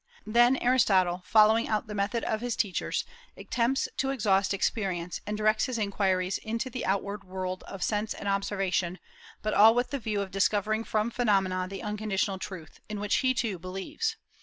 Then Aristotle, following out the method of his teachers, attempts to exhaust experience, and directs his inquiries into the outward world of sense and observation, but all with the view of discovering from phenomena the unconditional truth, in which he too believes.